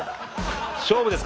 勝負ですか？